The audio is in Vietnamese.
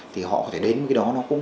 thì họ có thể đến với cái đó